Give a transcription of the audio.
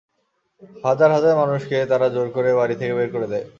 হাজার হাজার মানুষকে তারা জোর করে বাড়ি থেকে বের করে দেয়।